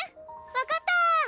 分かった！